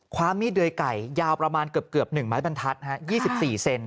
ความมีดเดยไก่ยาวประมาณเกือบ๑ไม้บรรทัศน์๒๔เซน